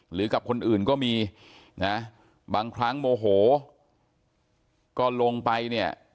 หรือกับคนอื่นก็มีนะบางครั้งโมโหก็ลงไปเนี่ย